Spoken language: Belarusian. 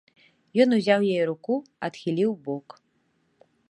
Ён узяў яе руку, адхіліў убок.